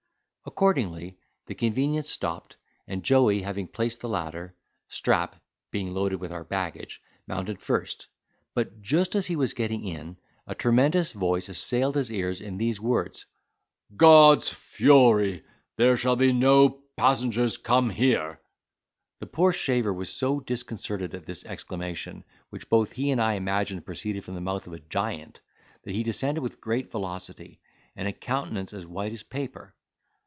Accordingly the convenience stopped, and Joey having placed the ladder, Strap (being loaded with our baggage) mounted first; but, just as he was getting in, a tremendous voice assailed his ears in these words: "God's fury! there shall no passengers come here." The poor shaver was so disconcerted at this exclamation, which both he and I imagined proceeded from the mouth of a giant, that he descended with great velocity and a countenance as white as paper.